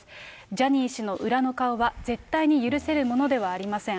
ジャニー氏の裏の顔は、絶対に許せるものではありません。